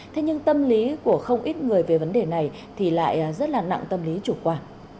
thế nhưng tâm lý của không ít người về vấn đề này thì lại rất là nặng tâm lý chủ quan